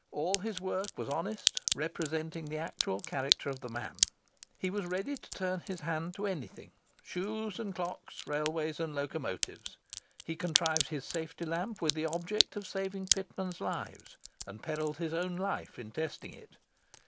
All his work was honest, representing the actual character of the man. He was ready to turn his hand to anything—shoes and clocks, railways and locomotives. He contrived his safety lamp with the object of saving pitmen's lives, and perilled his own life in testing it.